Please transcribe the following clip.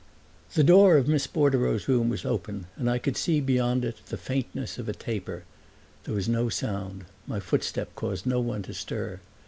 The door of Miss Bordereau's room was open and I could see beyond it the faintness of a taper. There was no sound my footstep caused no one to stir.